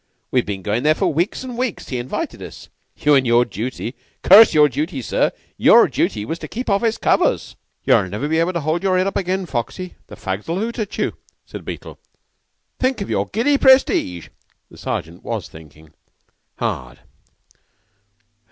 We've been goin' there for weeks and weeks, he invited us. You and your duty! Curse your duty, sir! Your duty was to keep off his covers." "You'll never be able to hold up your head again, Foxy. The fags'll hoot at you," said Beetle. "Think of your giddy prestige!" The Sergeant was thinking hard.